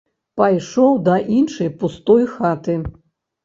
Пайшоў да іншай пустой хаты.